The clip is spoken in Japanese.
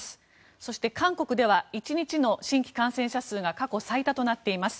そして韓国では１日の新規感染者数が過去最多となっています。